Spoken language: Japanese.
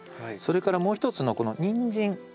それからもう一つのこのニンジン。